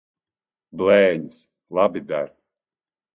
Blēņas! Labi der.